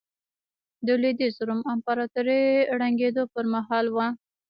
د لوېدیځ روم امپراتورۍ ړنګېدو پرمهال وه.